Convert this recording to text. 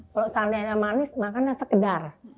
kalau seandainya manis makannya sekedar